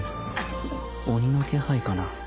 鬼の気配かな。